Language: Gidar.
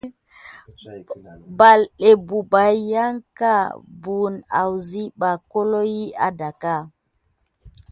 Ɓaɗé pebay yanka buwune asiɓa holohi adaga.